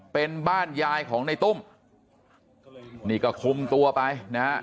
เป็นบ้านยายของในตุ้มนี่ก็คุมตัวไปนะฮะ